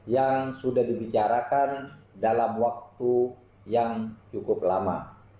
yang sudah dibicarakan dalam waktu yang cukup lama